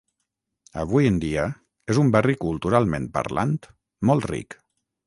Avui en dia és un barri culturalment parlant, molt ric.